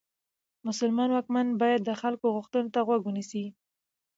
مسلمان واکمن باید د خلکو غوښتنو ته غوږ ونیسي.